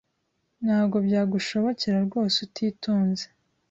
Ntabwo byagushobokera rwose utitonze